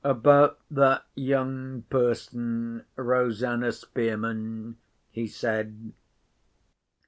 "About that young person, Rosanna Spearman?" he said.